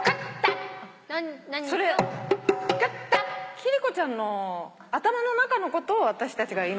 貴理子ちゃんの頭の中のことを私たちが今答えるの？